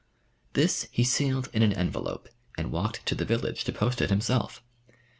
This he sealed in an envelope, and walked to the village to post it himself.